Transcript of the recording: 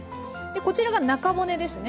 こちらが中骨ですね。